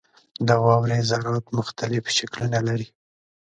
• د واورې ذرات مختلف شکلونه لري.